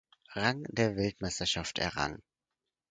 Rang bei der Weltmeisterschaft errang.